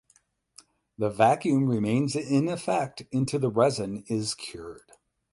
The vacuum remains in effect into the resin is cured.